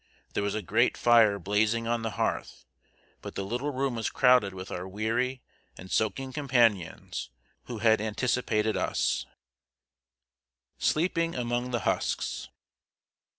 There was a great fire blazing on the hearth; but the little room was crowded with our weary and soaking companions, who had anticipated us. [Sidenote: SLEEPING AMONG THE HUSKS.